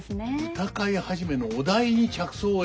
歌会始のお題に着想を得て。